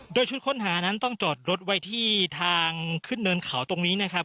โดยชุดค้นหานั้นต้องจอดรถไว้ที่ทางขึ้นเนินเขาตรงนี้นะครับ